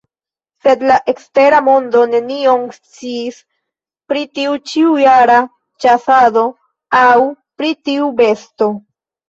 Sed la ekstera mondo nenion sciis pri tiu ĉiujara ĉasado aŭ pri tiu besto.